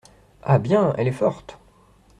Ah bien ! elle est forte !